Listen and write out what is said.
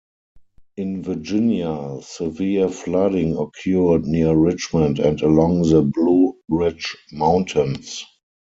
In Virginia, severe flooding occurred near Richmond and along the Blue Ridge Mountains.